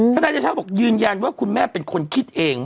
นายเดชาบอกยืนยันว่าคุณแม่เป็นคนคิดเอง